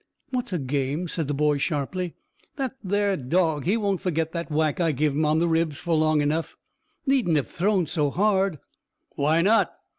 "What's a game?" said the boy sharply. "That there dog; he won't forget that whack I give him on the ribs for long enough." "Needn't have thrown so hard." "Why not?"